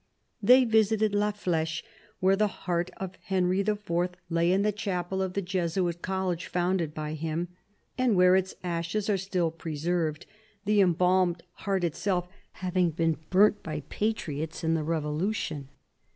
They visited La Flfiche, where the heart of Henry IV. lay in the chapel of the Jesuit College founded by him — and where its ashes are still preserved, the embalmed heart itself having been burnt by patriots in the Revolution.